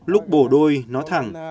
lúc bổ đôi nó thẳng